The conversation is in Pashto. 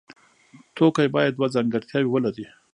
توکی باید دوه ځانګړتیاوې ولري.